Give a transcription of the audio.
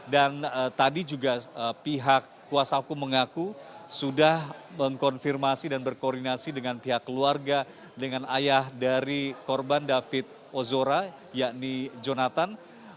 tadi juga pihak kuasa hukum mengaku sudah mengkonfirmasi dan berkoordinasi dengan pihak keluarga dengan ayah dari korban david ozora yakni jonathan